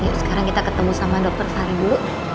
yuk sekarang kita ketemu sama dokter fahri dulu